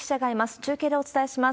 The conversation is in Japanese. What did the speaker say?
中継でお伝えします。